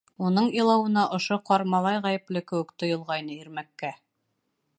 Уның илауына ошо ҡар малай ғәйепле кеүек тойолғайны Ирмәккә.